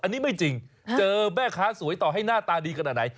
อันนี้ไม่จริงเจอแม่ค้าสวยต่อให้หน้าตาดีขนาดไหน